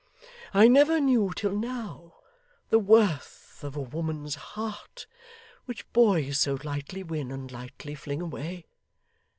I never knew till now, the worth of a woman's heart, which boys so lightly win, and lightly fling away.